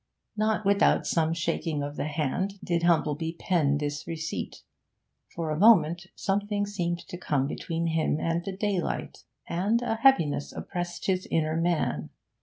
Not without some shaking of the hand did Humplebee pen this receipt; for a moment something seemed to come between him and the daylight, and a heaviness oppressed his inner man.